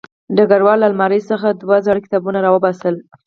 ډګروال له المارۍ څخه دوه زاړه کتابونه راوباسل